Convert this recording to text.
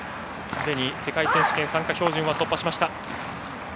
すでに世界選手権参加標準は突破しました。